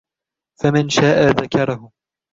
فَمَن شَاء ذَكَرَهُ